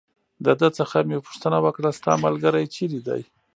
د ده څخه مې پوښتنه وکړل: ستا ملګری چېرې دی؟